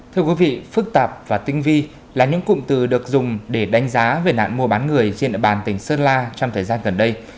thưa quý vị phức tạp và tinh vi là những cụm từ được dùng để đánh giá về nạn mua bán người trên địa bàn tỉnh sơn la trong thời gian gần đây